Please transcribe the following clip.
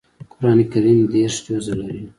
قران کریم دېرش جزء لري